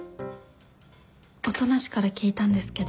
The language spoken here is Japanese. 音無から聞いたんですけど。